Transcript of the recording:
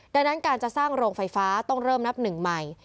ดังนั้นการจะสร้างโรงไฟฟ้าต้องเริ่มนับหนึ่งใหม่